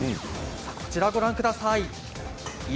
こちらをご覧ください。